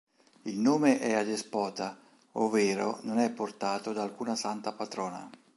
Il nome è adespota, ovvero non è portato da alcuna santa patrona.